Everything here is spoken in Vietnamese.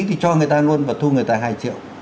thì cho người ta luôn và thu người ta hai triệu